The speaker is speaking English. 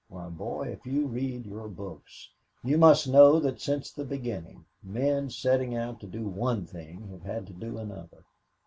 Why, boy, if you read your books, you must know that since the beginning, men setting out to do one thing have had to do another.